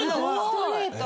ストレート。